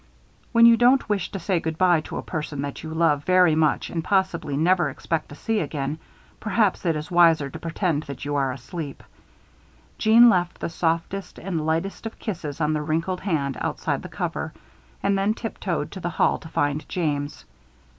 When you don't wish to say good by to a person that you love very much and possibly never expect to see again, perhaps it is wiser to pretend that you are asleep. Jeanne left the softest and lightest of kisses on the wrinkled hand outside the cover, and then tiptoed to the hall to find James.